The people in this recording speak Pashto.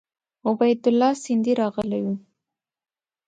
عبیدالله سیندهی راغلی وو.